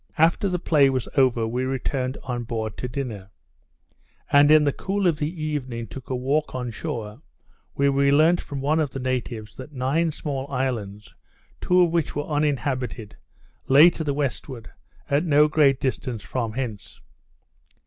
After the play was over, we returned on board to dinner; and in the cool of the evening took a walk on shore, where we learnt from one of the natives, that nine small islands, two of which were uninhabited, lay to the westward, at no great distance from hence.